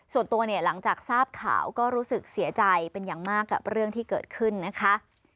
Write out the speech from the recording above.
ส่วนตัวเนี่ยหลังจากทราบข่าวก็รู้สึกเสียใจเป็นอย่างมากกับเรื่องที่เกิดขึ้นนะคะ